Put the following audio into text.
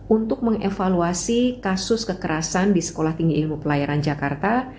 untuk mengevaluasi kasus kekerasan di sekolah tinggi ilmu pelayaran jakarta